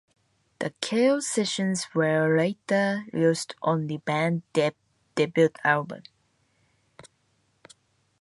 The Cale sessions were later used on the band's debut album.